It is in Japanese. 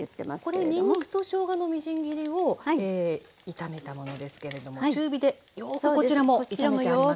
これにんにくとしょうがのみじん切りを炒めたものですけれども中火でよくこちらも炒めてありますね。